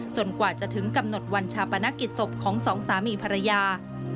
กว่าจะถึงกำหนดวันชาปนกิจศพของสองสามีภรรยา